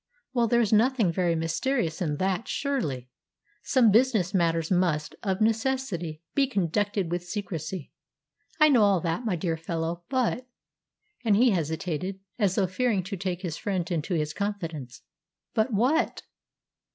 "Well, there's nothing very mysterious in that, surely. Some business matters must, of necessity, be conducted with secrecy." "I know all that, my dear fellow, but " and he hesitated, as though fearing to take his friend into his confidence. "But what?"